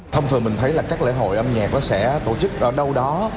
thông thường mình thấy là các lễ hội âm nhạc sẽ tổ chức ở đâu đó